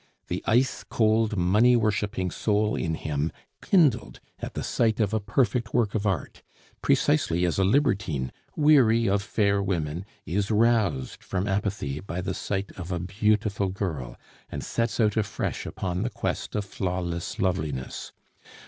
The ice cold, money worshiping soul in him kindled at the sight of a perfect work of art, precisely as a libertine, weary of fair women, is roused from apathy by the sight of a beautiful girl, and sets out afresh upon the quest of flawless loveliness.